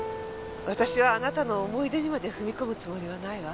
私はあなたの思い出にまで踏み込むつもりはないわ。